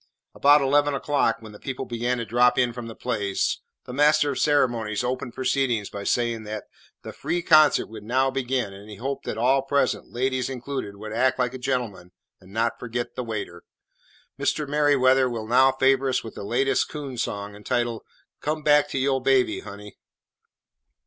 About eleven o'clock, when the people began to drop in from the plays, the master of ceremonies opened proceedings by saying that "The free concert would now begin, and he hoped that all present, ladies included, would act like gentlemen, and not forget the waiter. Mr. Meriweather will now favour us with the latest coon song, entitled 'Come back to yo' Baby, Honey.'"